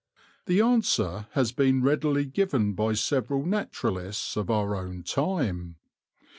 The answer has been readily given by several naturalists of our own time.